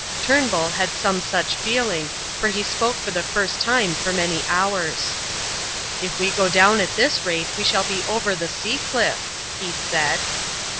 Turnbull had some such feeling, for he spoke for the first time for many hours. "If we go down at this rate we shall be over the sea cliff," he said.